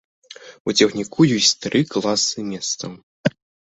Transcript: У цягніку ёсць тры класы месцаў.